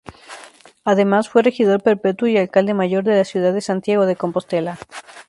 Además fue Regidor Perpetuo y Alcalde Mayor de la ciudad de Santiago de Compostela.